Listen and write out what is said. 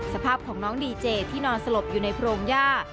สภาพของน้องดีเจที่นอนสลบอยู่ในโพรงย่า